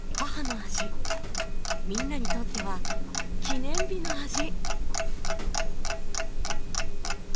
みんなにとっては記念日の味！